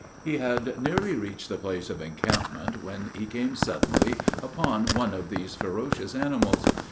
He had nearly reached the place of encampment, when he came suddenly upon one of these ferocious animals.